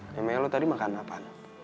emang lu tadi makan apa